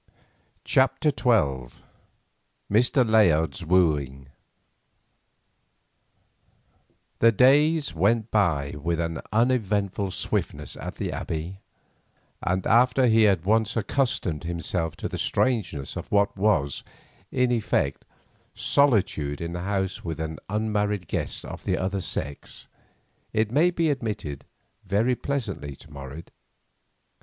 CHAPTER XII. MR. LAYARD'S WOOING The days went by with an uneventful swiftness at the Abbey, and after he had once accustomed himself to the strangeness of what was, in effect, solitude in the house with an unmarried guest of the other sex, it may be admitted, very pleasantly to Morris.